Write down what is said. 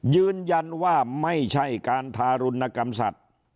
ยืนยันว่าไม่ใช่การทารุณกรรมสัตว์